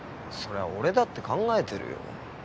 そりゃ俺だって考えてるよ。